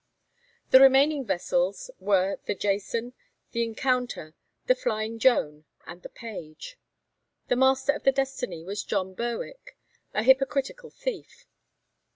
The remaining vessels were the 'Jason,' the 'Encounter,' the 'Flying Joan,' and the 'Page.' The master of the 'Destiny' was John Burwick, 'a hypocritical thief.'